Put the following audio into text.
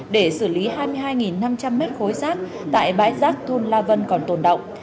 để xử lý hai mươi hai năm trăm linh m ba rác tại bãi rác thun la vân còn tồn động